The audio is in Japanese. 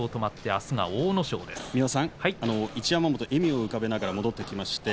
一山本、笑みを浮かべながら戻ってきました。